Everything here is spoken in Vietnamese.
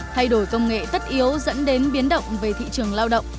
thay đổi công nghệ tất yếu dẫn đến biến động về thị trường lao động